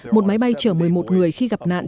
một máy bay chở một mươi một người khi gặp nạn